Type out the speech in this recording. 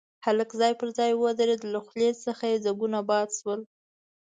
هلک ځای پر ځای ودرېد، له خولې څخه يې ځګونه باد شول.